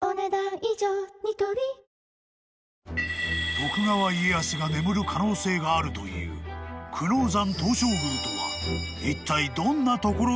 ［徳川家康が眠る可能性があるという久能山東照宮とはいったい］